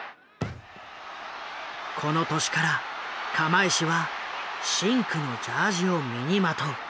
この年から釜石は深紅のジャージを身にまとう。